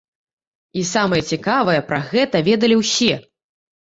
І самае цікавае, пра гэта ведалі усе!